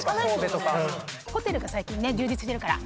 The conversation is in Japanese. ホテルが最近ね充実してるから。